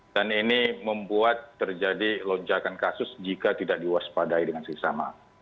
dan ini membuat terjadi lonjakan kasus jika tidak diwaspadai dengan sesama